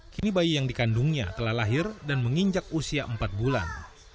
kini bayi yang dikandungnya telah lahir dan menginjak usia empat bulan